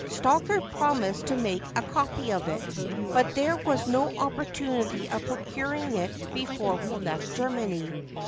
Stocker promised to make a copy of it, but there was no opportunity of procuring it before we left Germany.